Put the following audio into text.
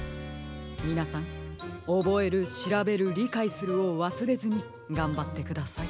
みなさん「おぼえるしらべるりかいする」をわすれずにがんばってください。